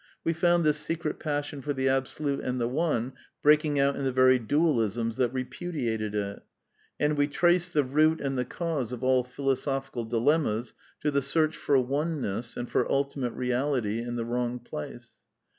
We found this secret passion for the Absolute and the One breaking out in the very Dualisms that repudiated it; and we traced the root and the cause of all philosophical dilemmas to the search for oneness and for ultimate reality in the wrong place.